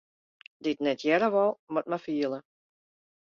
Dy't net hearre wol, moat mar fiele.